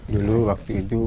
dulu waktu itu